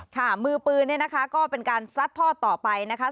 ค่ะมือปืนเนี่ยนะคะก็เป็นการซัดทอดต่อไปนะคะ